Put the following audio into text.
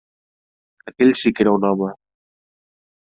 Aquell sí que era un home.